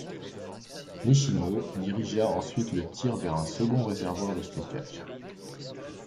Nishimo dirigea ensuite le tir vers un second réservoir de stockage.